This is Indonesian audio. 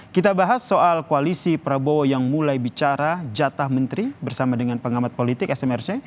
kita bahas soal koalisi prabowo yang mulai bicara jatah menteri bersama dengan pengamat politik smrc